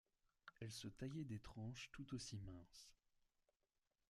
Elle se taillait des tranches tout aussi minces.